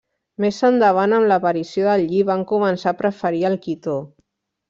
Més endavant, amb l'aparició del lli, van començar a preferir el quitó.